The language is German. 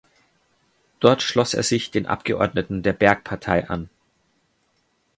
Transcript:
Dort schloss er sich den Abgeordneten der Bergpartei an.